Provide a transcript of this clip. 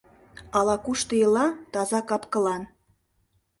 Ала-кушто ила, таза кап-кылан.